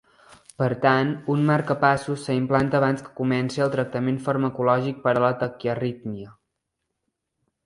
Per tant, un marcapassos se implanta abans que comenci el tractament farmacològic per a la taquiarrítmia.